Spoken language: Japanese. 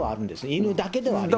犬だけではありません。